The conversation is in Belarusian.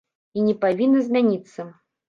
І не павінна змяніцца.